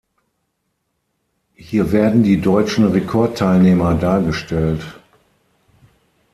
Hier werden die deutschen Rekord-Teilnehmer dargestellt.